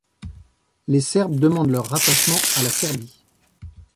Les Serbes demandent leur rattachement à la Serbie.